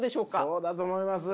そうだと思います。